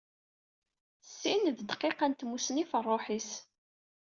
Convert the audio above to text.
Syin, d ddqiqa n tsusmi ɣef rruḥ-is.